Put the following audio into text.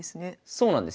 そうなんですよ。